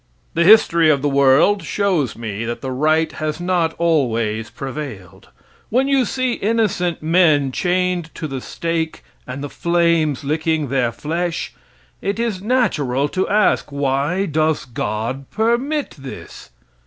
The history of the world shows me that the right has not always prevailed. When you see innocent men chained to the stake and the flames licking their flesh, it is natural to ask, why does God permit this?